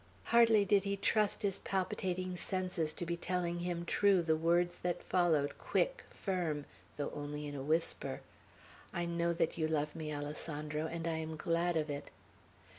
Hardly did he trust his palpitating senses to be telling him true the words that followed, quick, firm, though only in a whisper, "I know that you love me, Alessandro, and I am glad of it!"